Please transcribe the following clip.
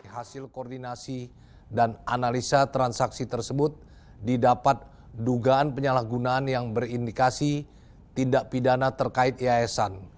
hasil koordinasi dan analisa transaksi tersebut didapat dugaan penyalahgunaan yang berindikasi tindak pidana terkait yayasan